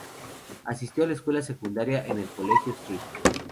Asistió a la escuela secundaria en el Colegio St.